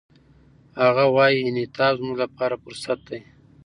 هغه وايي، انعطاف زموږ لپاره فرصت دی.